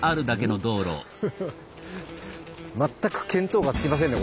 全く見当がつきませんね